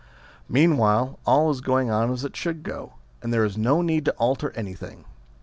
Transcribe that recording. Meanwhile all is going on as it should go, and there is no need to alter any thing.